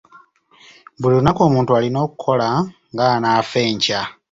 Buli lunaku omuntu alina okukola ng'anaafa enkya.